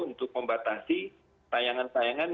untuk membatasi tayangan tayangan